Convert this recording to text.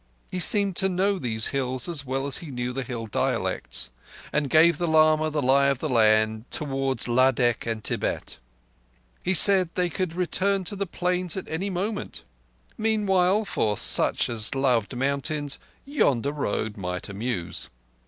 He seemed to know these hills as well as he knew the hill dialects, and gave the lama the lie of the land towards Ladakh and Tibet. He said they could return to the Plains at any moment. Meantime, for such as loved mountains, yonder road might amuse.